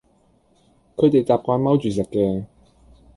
佢哋習慣踎住食嘅